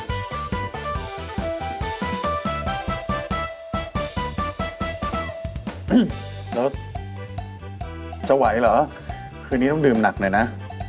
แล้วจะไหวเหรอคืนนี้ต้องดื่มหนักหน่อยนะ